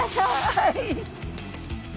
はい。